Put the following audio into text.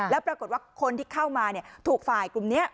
แล้วปรากฏว่าคนที่เข้ามาถูกฝ่ายกลุ่มนี้